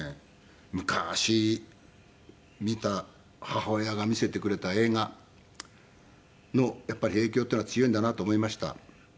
昔見た母親が見せてくれた映画のやっぱり影響っていうのは強いんだなと思いました。